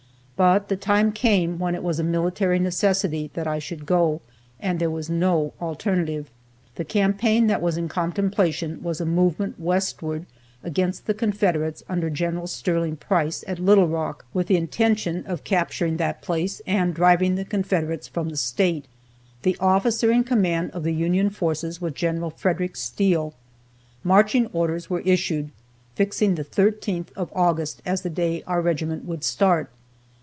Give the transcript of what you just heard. But the time came when it was a military necessity that I should go, and there was no alternative. The campaign that was in contemplation was a movement westward against the Confederates under Gen. Sterling Price at Little Rock, with the intention of capturing that place and driving the Confederates from the State. The officer in command of the Union forces was Gen. Frederick Steele. Marching orders were issued, fixing the 13th of August as the day our regiment would start.